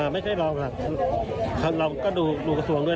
ไม่ใช่ลองครับเราก็ดูกระทรวงด้วย